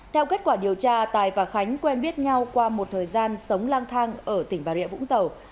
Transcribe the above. theo kết quả điều tra tài và khánh quen biết nhau qua một thời gian sống lang thang ở tỉnh bà rịa vũng tàu